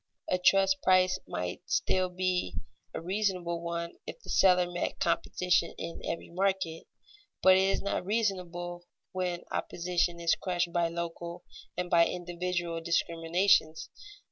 A trust's price might still be a reasonable one if the seller met competition in every market; but it is not reasonable when opposition is crushed by local and by individual discriminations.